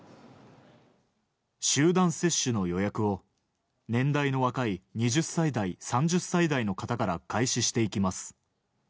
集団接種の予約を年代の若い２０歳代、３０歳代の方から開始していきます。